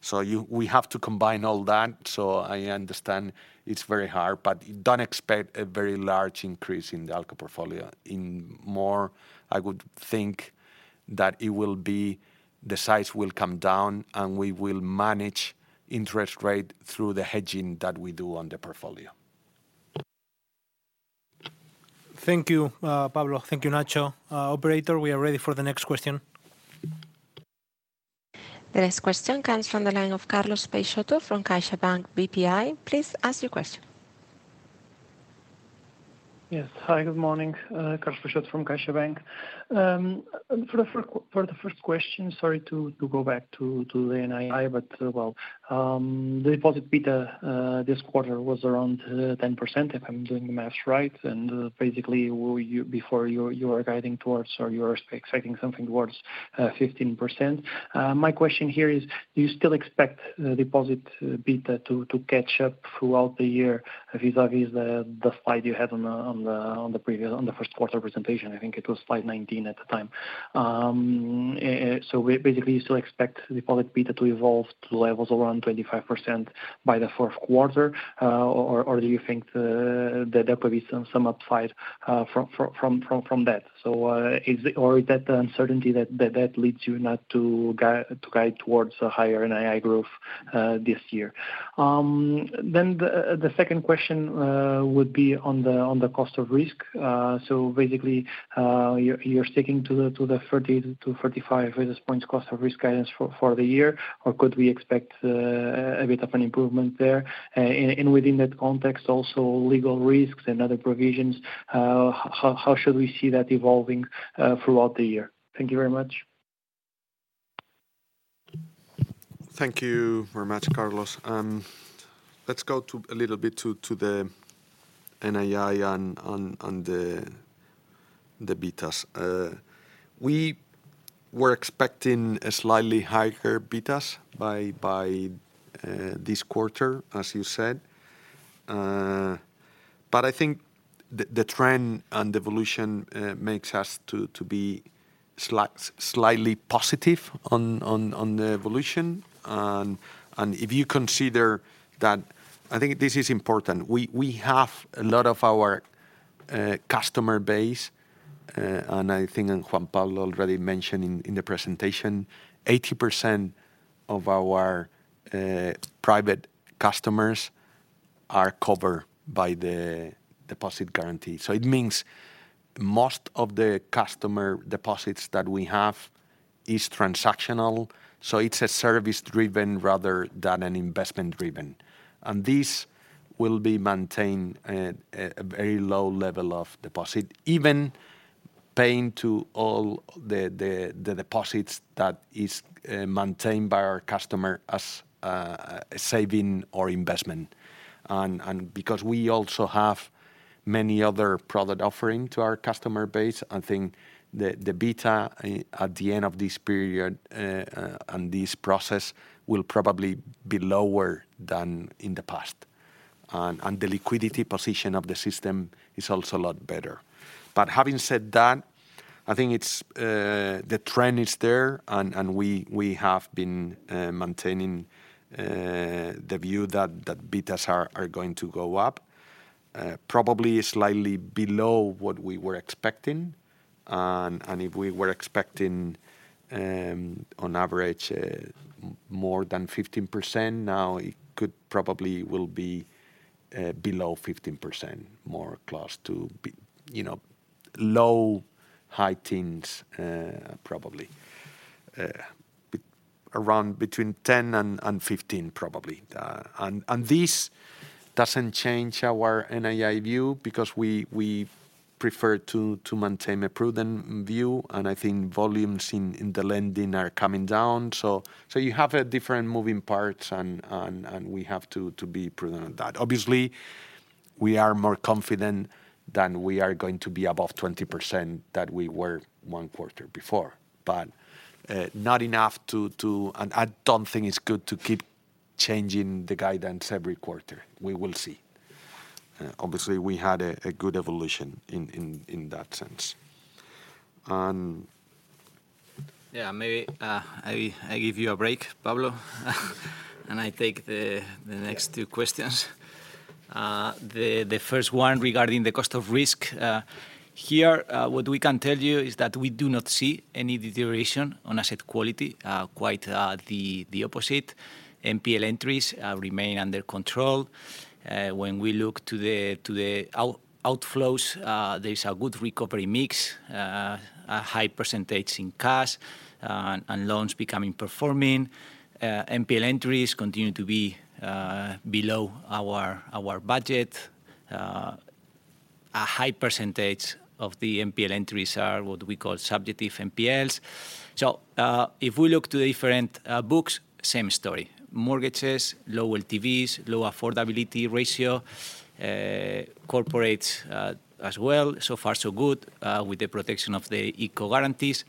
So we have to combine all that, so I understand it's very hard, but don't expect a very large increase in the ALCO portfolio. In more, I would think that the size will come down, and we will manage interest rate through the hedging that we do on the portfolio. Thank you, Pablo. Thank you, Nacho. Operator, we are ready for the next question. The next question comes from the line of Carlos Peixoto from CaixaBank BPI. Please ask your question. Yes. Hi, good morning. Carlos Peixoto from CaixaBank. For the first question, sorry to go back to the NII, but, well, the deposit Beta this quarter was around 10%, if I'm doing the math right. Basically, before you are guiding towards or you are expecting something towards 15%. My question here is: do you still expect the deposit Beta to catch up throughout the year, vis-à-vis the slide you had on the previous, on the first quarter presentation? I think it was slide 19 at the time. Basically, you still expect deposit Beta to evolve to levels around 25% by the fourth quarter, or do you think that there will be some upside from that? Is that the uncertainty that leads you not to guide towards a higher NII growth this year? Then the second question would be on the cost of risk. So basically, you're sticking to the 30-35 basis points cost of risk guidance for the year, or could we expect a bit of an improvement there? And within that context, also legal risks and other provisions, how should we see that evolving throughout the year? Thank you very much Thank you very much, Carlos. Let's go to a little bit to the NII on the Betas. We were expecting slightly higher Betas by this quarter, as you said. But I think the trend and evolution makes us to be slightly positive on the evolution. And if you consider that, I think this is important. We have a lot of our customer base, and I think Juan Pablo already mentioned in the presentation, 80% of our private customers are covered by the Deposit Guarantee Fund. So it means most of the customer deposits that we have is transactional, so it's a service-driven rather than an investment-driven. This will be maintained at a very low level of deposit, even paying to all the deposits that is maintained by our customer as a saving or investment. Because we also have many other product offering to our customer base, I think the Beta at the end of this period and this process will probably be lower than in the past. The liquidity position of the system is also a lot better. Having said that, I think it's the trend is there, and we have been maintaining the view that Betas are going to go up probably slightly below what we were expecting. If we were expecting, on average, more than 15%, now it could probably will be below 15%, more close to be, you know, low, high teens, probably, around between 10 and 15, probably. this doesn't change our NII view, because we prefer to maintain a prudent view, and I think volumes in the lending are coming down. you have a different moving parts, and we have to be prudent on that. Obviously, we are more confident than we are going to be above 20% that we were one quarter before, but not enough to, I don't think it's good to keep changing the guidance every quarter. We will see. Obviously, we had a good evolution in that sense. And... Maybe, I give you a break, Pablo, and I take the next two questions. The first one regarding the cost of risk, here, what we can tell you is that we do not see any deterioration on asset quality, quite the opposite. NPL entries remain under control. When we look to the outflows, there is a good recovery mix, a high percentage in cash, and loans becoming performing. NPL entries continue to be below our budget. A high percentage of the NPL entries are what we call subjective NPLs. If we look to the different books, same story: mortgages, low LTVs, low affordability ratio. Corporates, as well, so far, so good, with the protection of the ICO guarantees.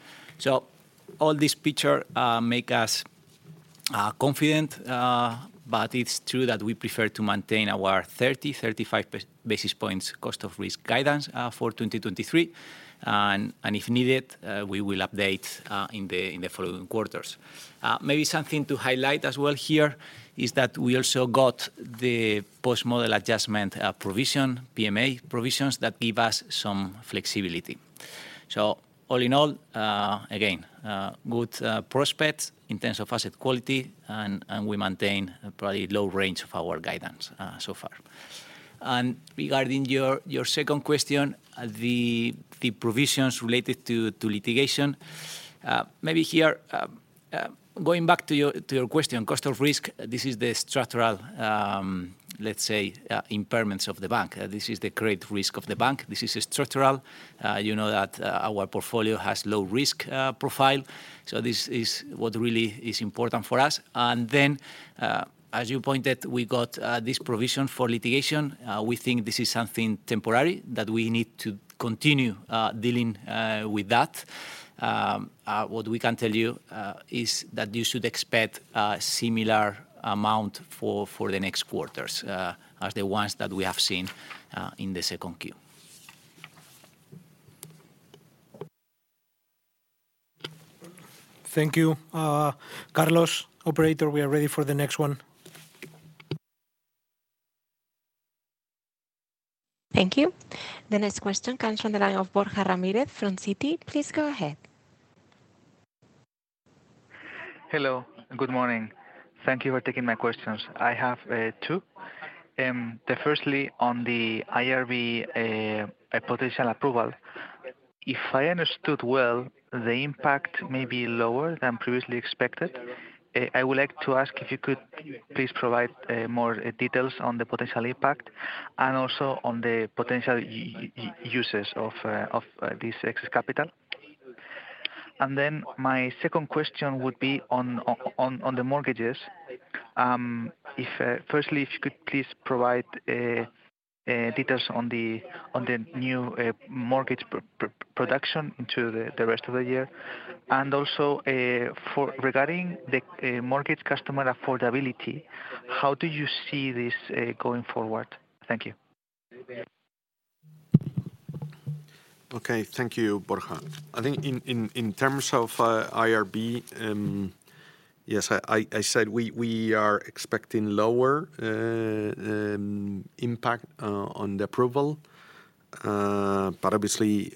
All this picture, make us confident, but it's true that we prefer to maintain our 30-35 basis points cost of risk guidance for 2023. If needed, we will update in the following quarters. Maybe something to highlight as well here is that we also got the Post-Model Adjustment provision, PMA provisions, that give us some flexibility. All in all, again, good prospects in terms of asset quality, we maintain a pretty low range of our guidance so far. Regarding your second question, the provisions related to litigation, maybe here, going back to your question, cost of risk, this is the structural, let's say, impairments of the bank. This is the great risk of the bank. This is structural. You know that our portfolio has low risk profile, so this is what really is important for us. As you pointed, we got this provision for litigation. We think this is something temporary, that we need to continue dealing with that. What we can tell you is that you should expect a similar amount for the next quarters, as the ones that we have seen in the 2Q. Thank you, Carlos. Operator, we are ready for the next one. Thank you. The next question comes from the line of Borja Ramirez from Citi. Please go ahead. Hello, good morning. Thank Thank you for taking my questions. I have two. The firstly, on the IRB potential approval, if I understood well, the impact may be lower than previously expected. I would like to ask if you could please provide more details on the potential impact, and also on the potential uses of this excess capital. My second question would be on the mortgages. If, firstly, if you could please provide details on the new mortgage production into the rest of the year. Also, for regarding the mortgage customer affordability, how do you see this going forward? Thank you. Okay, thank you, Borja. I think in terms of IRB, yes, I said we are expecting lower impact on the approval. Obviously,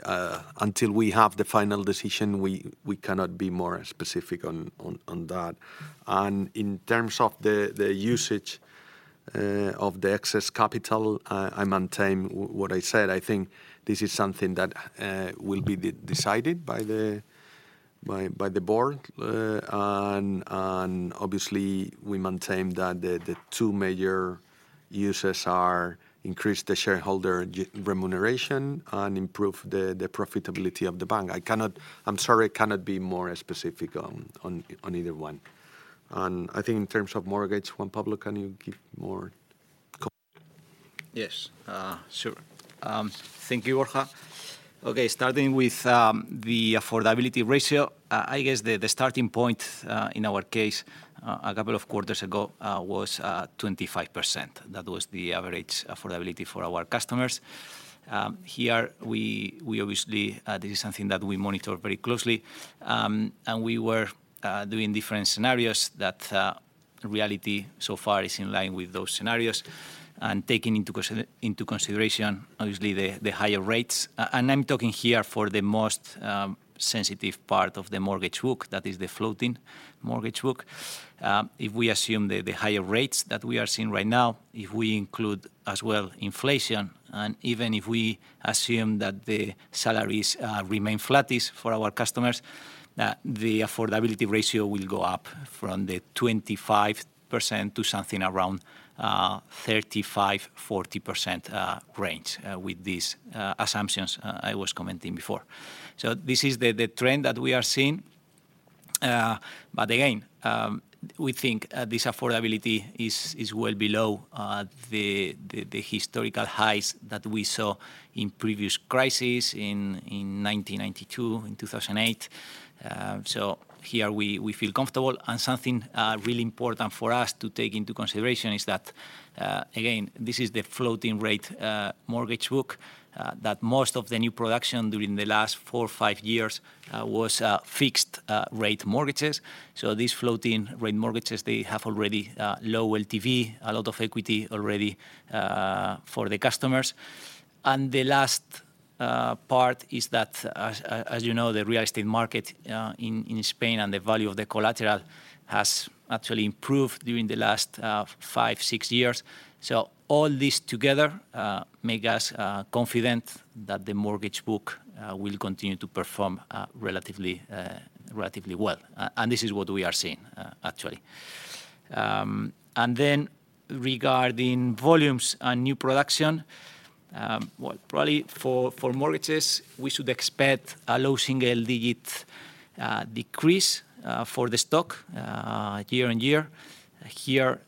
until we have the final decision, we cannot be more specific on that. In terms of the usage of the excess capital, I maintain what I said. I think this is something that will be decided by the board. Obviously, we maintain that the two major users are: increase the shareholder remuneration and improve the profitability of the bank. I cannot. I'm sorry, I cannot be more specific on either one. I think in terms of mortgage, Juan Pablo, can you give more comment? Yes, sure. Thank you, Borja. Starting with the affordability ratio, I guess the starting point in our case a couple of quarters ago was 25%. That was the average affordability for our customers. Here, we obviously, this is something that we monitor very closely, and we were doing different scenarios that the reality so far is in line with those scenarios, taking into consideration, obviously, the higher rates. I'm talking here for the most sensitive part of the mortgage book, that is the floating mortgage book. If we assume the higher rates that we are seeing right now, if we include as well inflation, even if we assume that the salaries remain flattish for our customers, the affordability ratio will go up from the 25% to something around 35%-40% range with these assumptions I was commenting before. This is the trend that we have seen. Again, we think this affordability is well below the historical highs that we saw in previous crises in 1992 and in 2008. Here we feel comfortable. Something really important for us to take into consideration is that again, this is the floating rate mortgage book that most of the new production during the last 4, 5 years was fixed rate mortgages. These floating rate mortgages, they have already low LTV, a lot of equity already for the customers. The last part is that, as you know, the real estate market in Spain, and the value of the collateral has actually improved during the last 5, 6 years. All this together make us confident that the mortgage book will continue to perform relatively relatively well. This is what we are seeing actually. Regarding volumes and new production, well, probably for mortgages, we should expect a low single-digit decrease for the stock year-on-year. Here,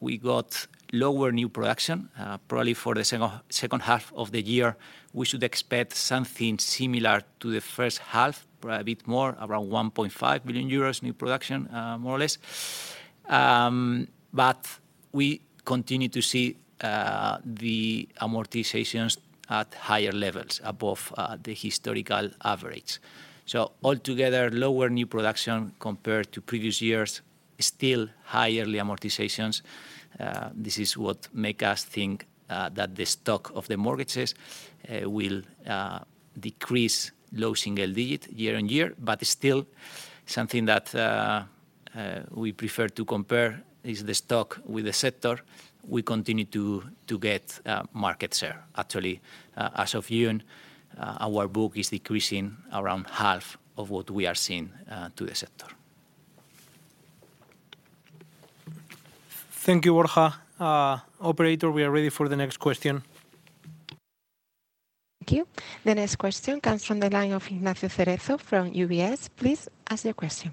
we got lower new production. Probably for the second half of the year, we should expect something similar to the first half, probably a bit more, around 1.5 billion euros new production, more or less. We continue to see the amortizations at higher levels, above the historical average. Altogether, lower new production compared to previous years, still higher amortizations. This is what make us think that the stock of the mortgages will decrease low single-digit year-on-year, but still, something that we prefer to compare is the stock with the sector, we continue to get market share. Actually, as of June, our book is decreasing around half of what we are seeing, to the sector. Thank you, Borja. Operator, we are ready for the next question. Thank you. The next question comes from the line of Ignacio Cerezo from UBS. Please ask your question.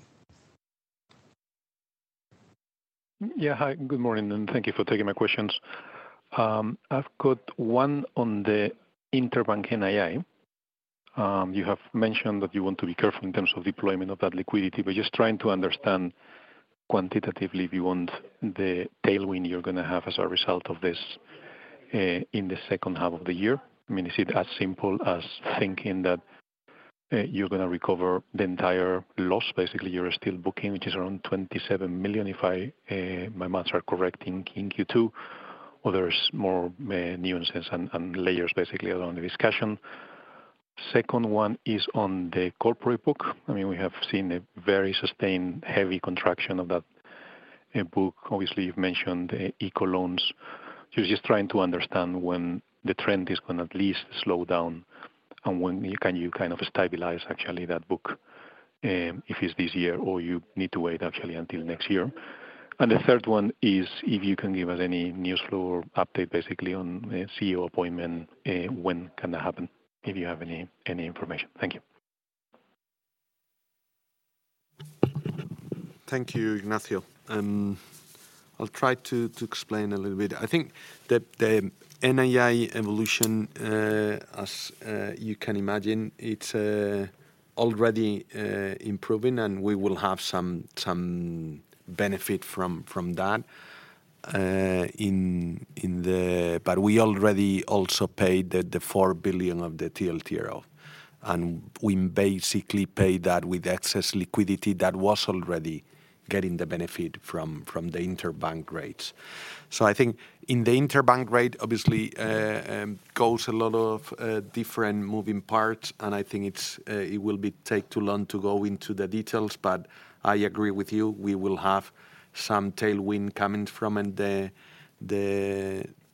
Yeah. Hi, good morning, and thank you for taking my questions. I've got one on the interbank NII. You have mentioned that you want to be careful in terms of deployment of that liquidity, but just trying to understand quantitatively, if you want, the tailwind you're gonna have as a result of this in the second half of the year? I mean, is it as simple as thinking that you're gonna recover the entire loss? Basically, you're still booking, which is around 27 million, if my math are correct, in Q2, or there's more nuances and layers, basically, around the discussion. Second one is on the corporate book. I mean, we have seen a very sustained, heavy contraction of that book. Obviously, you've mentioned the ICO loans. Just trying to understand when the trend is gonna at least slow down, and when can you kind of stabilize, actually, that book, if it's this year or you need to wait actually until next year? The third one is if you can give us any news flow or update, basically, on a CEO appointment, when can that happen, if you have any information? Thank you. Thank you, Ignacio. I'll try to explain a little bit. I think that the NII evolution, as you can imagine, it's already improving, and we will have some benefit from that in the, we already also paid the 4 billion of the TLTRO, and we basically paid that with excess liquidity that was already getting the benefit from the interbank rates. So I think in the interbank rate, obviously, goes a lot of different moving parts, and I think it will take too long to go into the details, but I agree with you, we will have some tailwind coming from the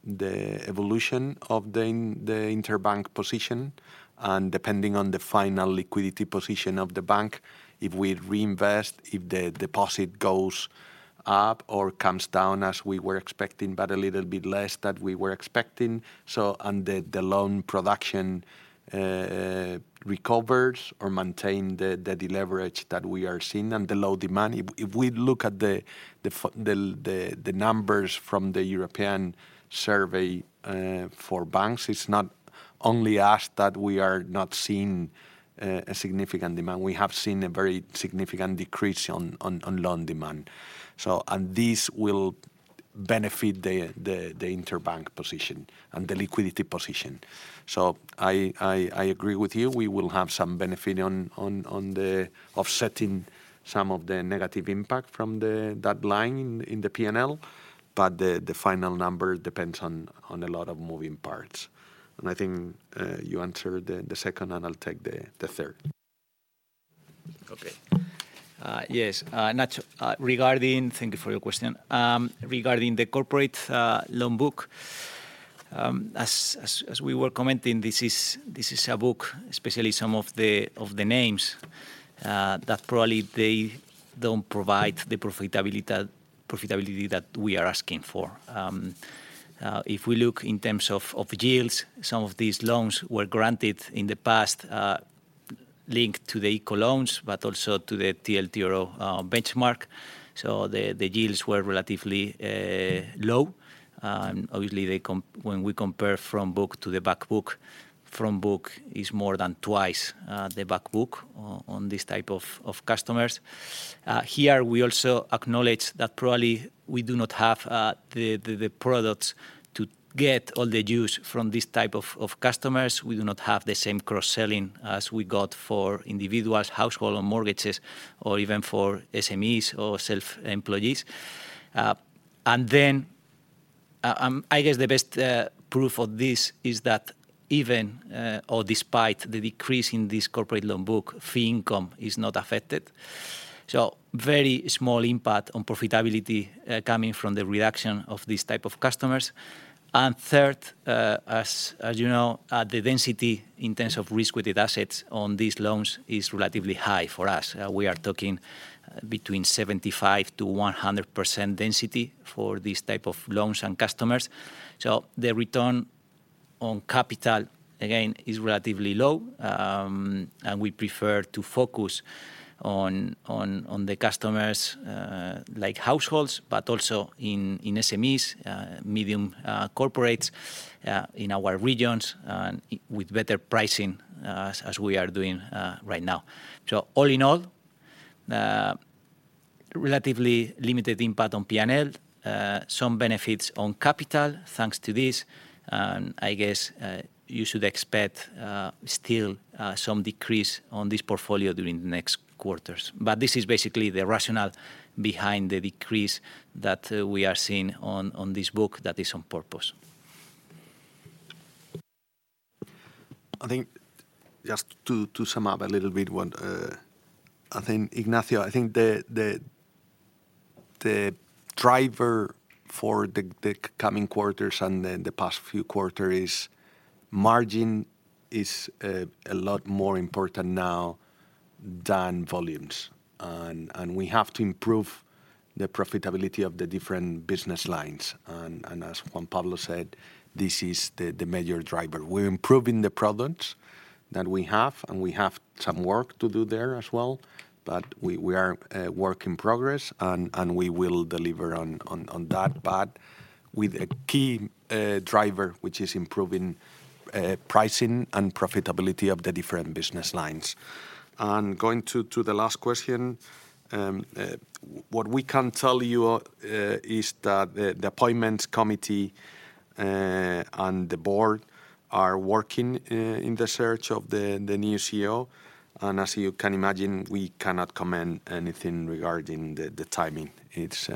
evolution of the interbank position, and depending on the final liquidity position of the bank, if we reinvest, if the deposit goes up or comes down as we were expecting, but a little bit less than we were expecting, and the loan production recovers or maintain the leverage that we are seeing and the low demand. If we look at the numbers from the European survey for banks, it's not only us that we are not seeing a significant demand. We have seen a very significant decrease on loan demand. This will benefit the interbank position and the liquidity position. I agree with you. We will have some benefit on the, offsetting some of the negative impact from that line in the PNL, but the final number depends on a lot of moving parts. I think Juan should answer the second and I'll take the third. Okay. Yes, Nacho, regarding. Thank you for your question. Regarding the corporate loan book, as we were commenting, this is a book, especially some of the names, that probably they don't provide the profitability that we are asking for. If we look in terms of yields, some of these loans were granted in the past, linked to the ICO loans, but also to the TLTRO benchmark. The yields were relatively low, and obviously, when we compare from book to the back book, from book is more than twice the back book on this type of customers. We also acknowledge that probably we do not have the products to get all the yields from this type of customers. We do not have the same cross-selling as we got for individuals, household, or mortgages, or even for SMEs or self-employees. I guess the best proof of this is that even, or despite the decrease in this corporate loan book, fee income is not affected. Very small impact on profitability, coming from the reduction of these type of customers. Third, as you know, the density in terms of risk-weighted assets on these loans is relatively high for us. We are talking between 75%-100% density for these type of loans and customers. The return on capital, again, is relatively low, and we prefer to focus on customers, like households, but also in SMEs, medium corporates, in our regions and with better pricing, as we are doing right now. All in all, relatively limited impact on PNL, some benefits on capital, thanks to this, and I guess you should expect still some decrease on this portfolio during the next quarters. But this is basically the rationale behind the decrease that we are seeing on this book that is on purpose. I think just to sum up a little bit what I think, Ignacio, I think the driver for the coming quarters and then the past few quarters is margin, is a lot more important now than volumes. We have to improve the profitability of the different business lines. As Juan Pablo said, this is the major driver. We're improving the products that we have, and we have some work to do there as well, but we are a work in progress, and we will deliver on that. With a key driver, which is improving pricing and profitability of the different business lines. Going to the last question, what we can tell you is that the appointments committee and the board are working in the search of the new CEO. As you can imagine, we cannot comment anything regarding the timing. It's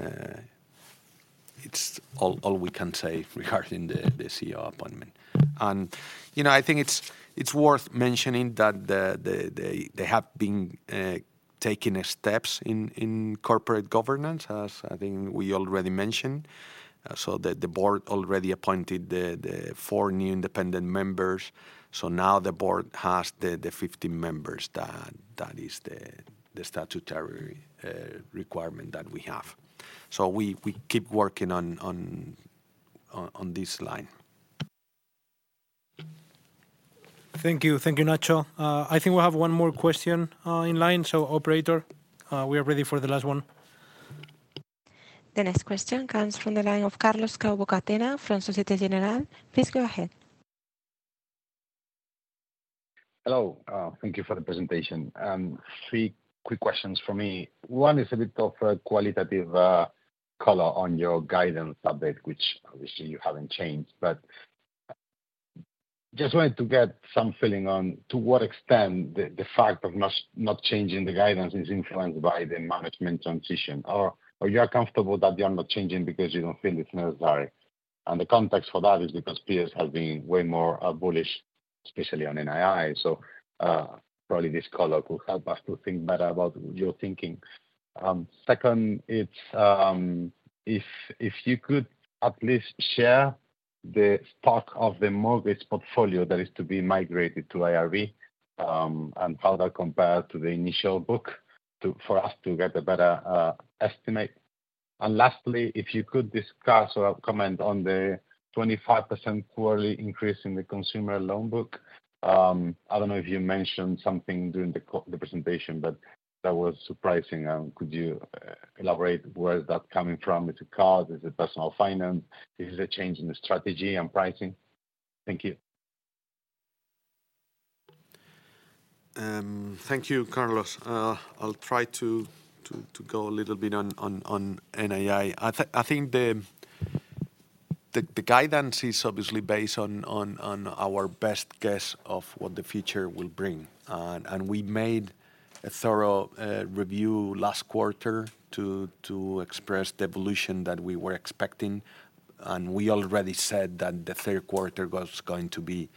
all we can say regarding the CEO appointment. You know, I think it's worth mentioning that they have been taking steps in corporate governance, as I think we already mentioned. The board already appointed the four new independent members, so now the board has the 15 members that is the statutory requirement that we have. We keep working on this line. Thank you. Thank you, Nacho. I think we have one more question in line. Operator, we are ready for the last one. The next question comes from the line of Carlos Cobo Catena from Société Générale. Please go ahead. Hello. Thank you for the presentation. Three quick questions from me. One is a bit of a qualitative color on your guidance update, which obviously you haven't changed. Just wanted to get some feeling on to what extent the fact of not changing the guidance is influenced by the management transition, or you are comfortable that you are not changing because you don't feel it's necessary? The context for that is because peers have been way more bullish, especially on NII. Probably this call will help us to think better about your thinking. Second, it's if you could at least share the stock of the mortgage portfolio that is to be migrated to IRB, and how that compare to the initial book for us to get a better estimate. Lastly, if you could discuss or comment on the 25% quarterly increase in the consumer loan book. I don't know if you mentioned something during the presentation, that was surprising. Could you elaborate where is that coming from? Is it card? Is it personal finance? Is it a change in the strategy and pricing? Thank you. Thank you, Carlos. I'll try to go a little bit on NII. I think the guidance is obviously based on our best guess of what the future will bring. We made a thorough review last quarter to express the evolution that we were expecting, and we already said that the third quarter was going to be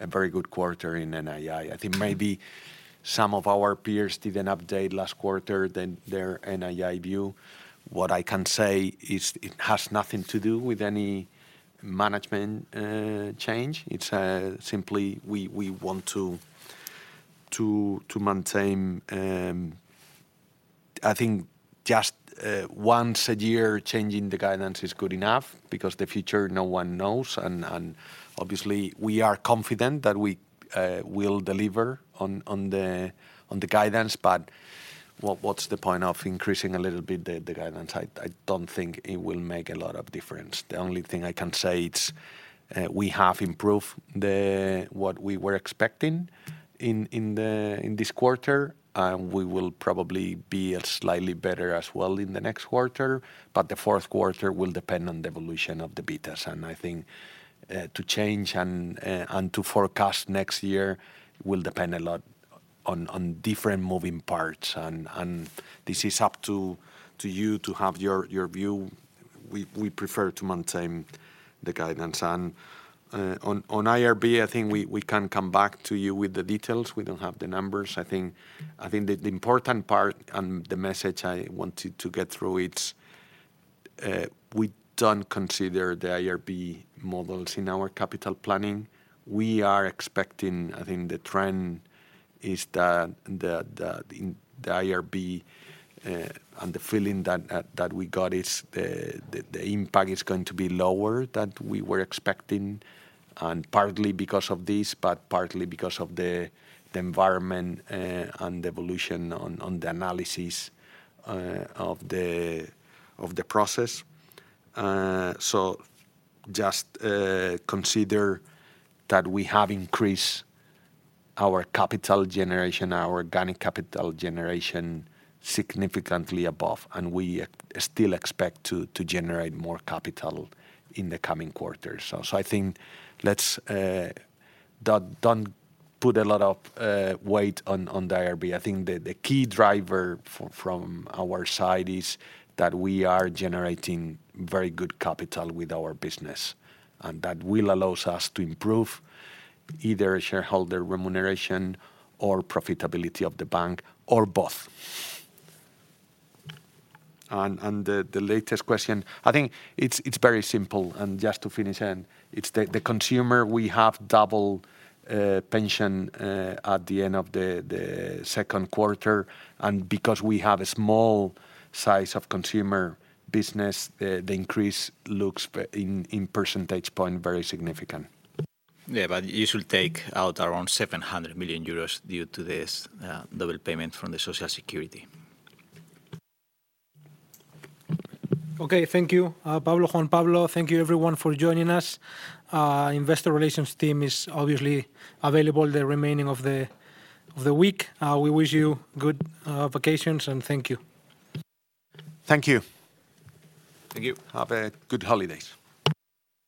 a very good quarter in NII. I think maybe some of our peers did an update last quarter, then their NII view. What I can say is it has nothing to do with any management change. It's simply we want to maintain, I think just once a year, changing the guidance is good enough, because the future, no one knows. Obviously, we are confident that we will deliver on the guidance, but what's the point of increasing a little bit the guidance? I don't think it will make a lot of difference. The only thing I can say, it's we have improved what we were expecting in this quarter, and we will probably be slightly better as well in the next quarter, but the fourth quarter will depend on the evolution of the Betas. I think to change and to forecast next year will depend a lot on different moving parts. This is up to you to have your view. We prefer to maintain the guidance. On IRB, I think we can come back to you with the details. We don't have the numbers. I think the important part and the message I wanted to get through it, we don't consider the IRB models in our capital planning. We are expecting, I think the trend is that the in the IRB, and the feeling that we got is the impact is going to be lower than we were expecting, and partly because of this, but partly because of the environment and the evolution on the analysis of the, of the process. Just consider that we have increased our capital generation, our organic capital generation, significantly above, and we still expect to generate more capital in the coming quarters. I think let's not don't put a lot of weight on the IRB. I think the key driver from our side is that we are generating very good capital with our business, that will allows us to improve either shareholder remuneration or profitability of the bank, or both. The latest question, I think it's very simple, just to finish, it's the consumer will have double pension at the end of the second quarter, because we have a small size of consumer business, the increase looks in percentage point very significant. Yeah, you should take out around 700 million euros due to this double payment from the Social Security. Okay, thank you, Pablo, Juan Pablo. Thank you everyone for joining us. Investor relations team is obviously available the remaining of the week. We wish you good vacations, and thank you. Thank you. Thank you. Have a good holidays.